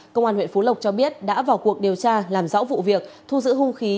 công an huyện phú lộc cho biết đã vào cuộc điều tra làm rõ vụ việc thu giữ hung khí